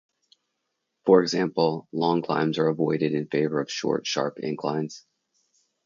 For example, long climbs are avoided in favour of short, sharp inclines.